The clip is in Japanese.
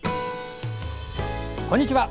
こんにちは。